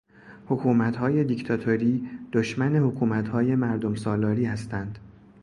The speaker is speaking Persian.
حکومتهای دیکتاتوری دشمن حکومتهای مردم سالاری هستند.